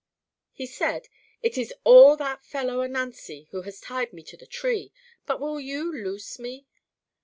He said, "It is all that fellow Ananzi who has tied me to the tree, but will you loose me?"